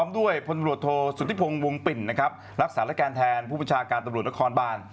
ด้วยภนรวดโทษสุธิพงศ์วงปิ่นรักษาระแกนแทนผู้ประชาการตำรวจละครบ้าน